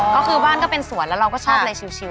ก็คือบ้านก็เป็นสวนแล้วเราก็ชอบอะไรชิล